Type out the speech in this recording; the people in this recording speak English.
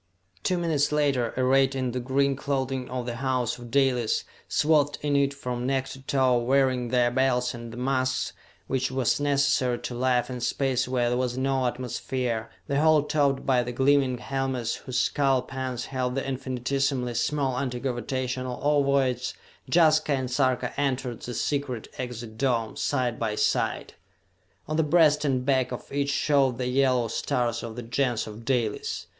Two minutes later, arrayed in the green clothing of the House of Dalis, swathed in it from neck to toe, wearing their belts and the masks which were necessary to life in space where there was no atmosphere, the whole topped by the gleaming helmets whose skull pans held the infinitesimally small anti gravitational ovoids, Jaska and Sarka entered the secret exit dome, side by side. On the breast and back of each showed the yellow stars of the Gens of Dalis.